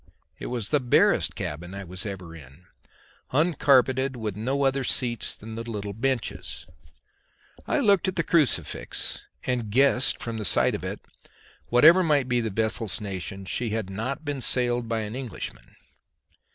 It was the barest cabin I was ever in uncarpeted, with no other seats than the little benches. I looked at the crucifix, and guessed from the sight of it that, whatever might be the vessel's nation, she had not been sailed by Englishmen.